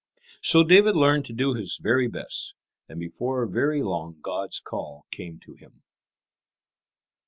So David learned to do his very best, and before very long God's call came to him.